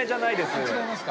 ああ違いますか。